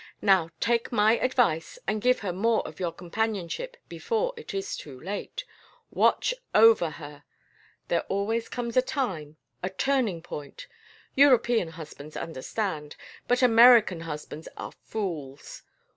Now, take my advice, and give her more of your companionship before it is too late. Watch over her. There always comes a time a turning point European husbands understand, but American husbands are fools.